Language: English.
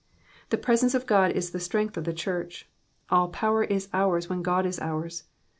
The presence of God is the strength of the church ; all power is ours when God is ours.